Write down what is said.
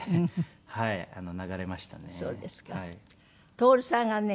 徹さんがね